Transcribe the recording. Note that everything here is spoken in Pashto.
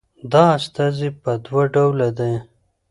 دا استازي په دوه ډوله ده